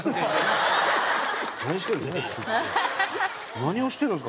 何をしてるんですか